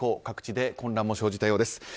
各地で混乱も生じたようです。